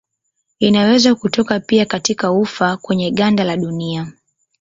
Inaweza kutoka pia katika ufa kwenye ganda la dunia.